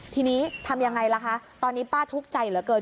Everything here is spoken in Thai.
ทีนี้ทำยังไงล่ะคะตอนนี้ป้าทุกข์ใจเหลือเกิน